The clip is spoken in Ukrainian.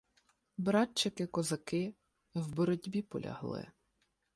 - Братчики-козаки, в боротьбі полягли.